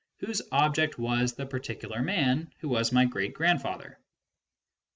77 whose object was the particular man who was my great grandfather.